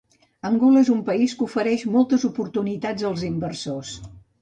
Angola és un país que ofereix moltes oportunitats als inversors.